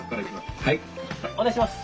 お願いします。